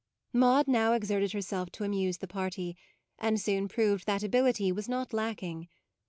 Maude now exerted herself to amuse the party; and soon proved that ability was not lacking.